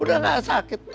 udah nggak sakit